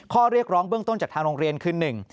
ข้อเรียกร้องเบื้องต้นจากทางโรงเรียนคือหนึ่ง